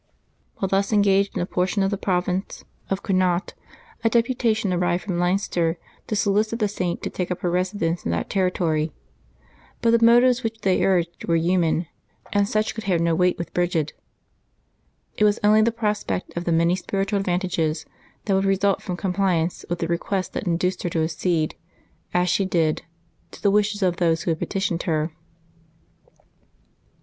While thus engaged in a portion of the province of Con 66 LIVES OF THE SAINTS [Febbuaby 1 naught, a deputation arrived from Leinster to solicit the Saint to take up her residence in that territory; but the motives which they urged vrere human, and such could have no weight with Bridgid. It was only the prospect of the many spiritual advantages that would result from com pliance with the request that induced her to accede, as she did, to the wishes of those who had petitioned her.